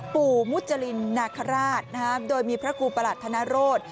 ปู่มุจรินนาฆราชนะฮะโดยมีพระครูประหลัดธนโรศ